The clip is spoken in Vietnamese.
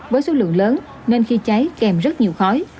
với số lượng lớn nên khi cháy kèm rất nhiều khói